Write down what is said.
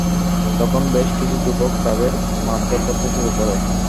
তখন বেশ কিছু যুবক তাদের মারধর করতে শুরু করে।